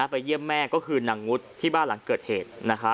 ไปเยี่ยมแม่ก็คือนางงุดที่บ้านหลังเกิดเหตุ